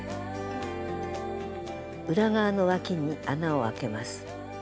裏側のわきに穴をあけます。